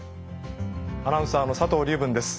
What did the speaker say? アナウンサーの佐藤龍文です。